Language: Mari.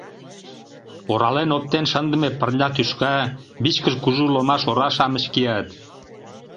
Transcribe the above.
Орален оптен шындыме пырня тӱшка, вичкыж кужу ломаш ора-шамыч кият.